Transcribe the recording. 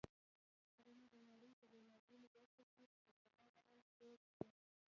کرنه د نړۍ په بېلابېلو برخو کې په جلا ډول دود شوه